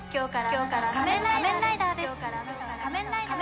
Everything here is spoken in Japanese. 今日からあなたは仮面ライダーです。